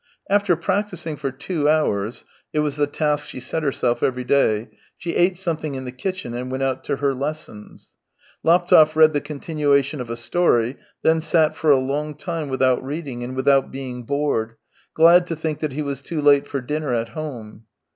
After practising for two hours — it was the task she set lierself every day — she ate something in the kitchen and went out to her lessons. Laptev read tlie continuation of a story, then sat for a long time without reading and without being bored, glad to think that he was too late for dinner at home.